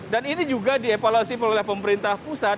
dan ini juga dievaluasi oleh pemerintah pusat